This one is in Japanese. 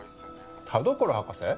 田所博士？